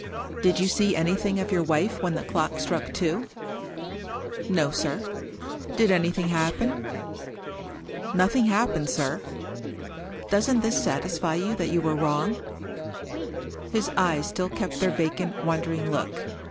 " Did you see anjrthing of your wife when the clock struck two ?"" No, sir." " Did anything happen ?"" Nothing happened, sir." " Doesn't this satisfy you that you were wrong? " His eyes still kept their vacant, wondering look.